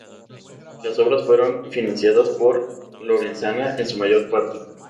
Las obras fueron financiadas por Lorenzana en su mayor parte.